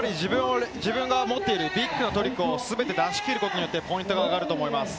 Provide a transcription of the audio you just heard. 自分が持っているビッグなトリックをすべて出し切ることによってポイントが上がると思います。